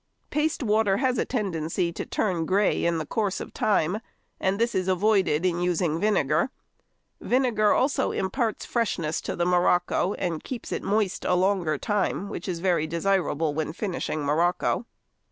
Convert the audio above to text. Paste water has a tendency to turn grey in the course of time, and this is avoided in using vinegar; vinegar also imparts freshness to the morocco, and keeps it moist a longer time, which is very desirable when finishing morocco.